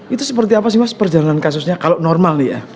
itu seperti apa sih mas perjalanan kasusnya kalau normal nih ya